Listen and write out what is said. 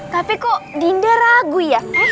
tapi kok dinda ragu ya